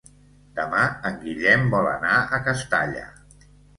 Demà en Guillem vol anar a Castalla.